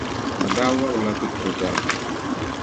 Bɛ daa wɔbiri la tuturi vari.